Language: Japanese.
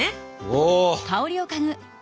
お！